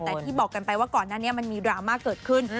แต่ที่บอกกันไปว่าก่อนหน้านี้มันมีดราม่าเกิดขึ้น